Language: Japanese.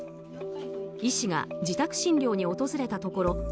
医師が自宅診療に訪れたところ